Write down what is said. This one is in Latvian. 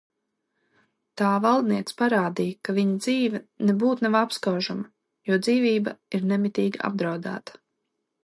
Tā valdnieks parādīja, ka viņa dzīve nebūt nav apskaužama, jo dzīvība ir nemitīgi apdraudēta.